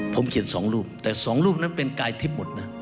ผมเขียน๒รูปแต่๒รูปนั้นเป็นกายทิพย์หมดนะ